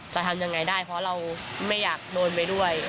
จะทำยังไงได้เพราะเราไม่อยากโดนไปด้วย